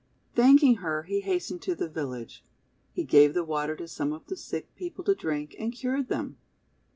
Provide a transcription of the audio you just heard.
Thanking her, he hastened to the village. He gave the water to some of the sick people to drink, and cured them.